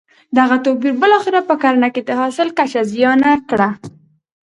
دغه توپیر بالاخره په کرنه کې د حاصل کچه زیانه کړه.